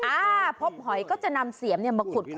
อ่าพบหอยก็จะนำเสียมมาขุด